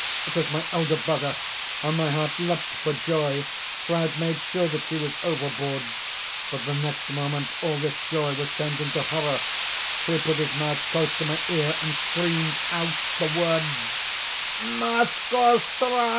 It was my elder brother, and my heart leaped for joy, for I had made sure that he was overboard—but the next moment all this joy was turned into horror—for he put his mouth close to my ear, and screamed out the word '_Moskoe ström!